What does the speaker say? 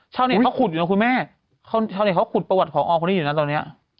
เช้าเนี้ยเขาขุดอยู่นะคุณแม่เช้าเนี้ยเขาขุดประวัติของอคนนี้อยู่นะตอนเนี้ย